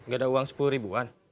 gak ada uang sepuluh ribuan